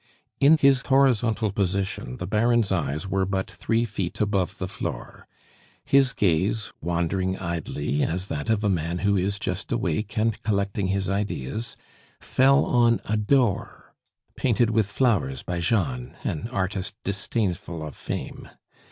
In his horizontal position the Baron's eyes were but three feet above the floor. His gaze, wandering idly, as that of a man who is just awake and collecting his ideas, fell on a door painted with flowers by Jan, an artist disdainful of fame.